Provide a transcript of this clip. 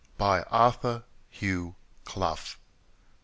Arthur Hugh Clough.